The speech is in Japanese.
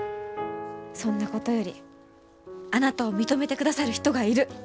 そんなことよりあなたを認めてくださる人がいる。